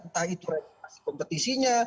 entah itu regulasi kompetisinya